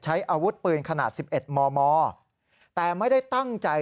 ใช้อาวุธปืนขนาด๑๑มมแต่ไม่ได้ตั้งใจ